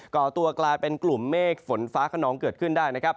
ก่อตัวกลายเป็นกลุ่มเมฆฝนฟ้าขนองเกิดขึ้นได้นะครับ